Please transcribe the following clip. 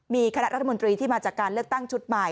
มีคณะรัฐมนตรีที่มาจากการเลือกตั้งชุดใหม่